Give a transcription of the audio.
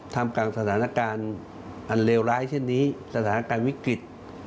ทำกลางสถานการณ์อันเลวร้ายเช่นนี้สถานการณ์วิกฤต